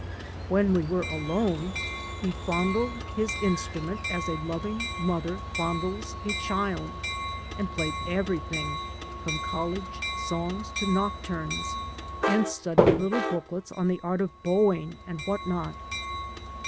When we were alone he f cmdled his instrument as a loving mother fondles a child, and played everything from collie songs to noctumes,^ and studied little booklets on the art of bowing and what not.